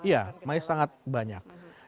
iya masih sangat banyak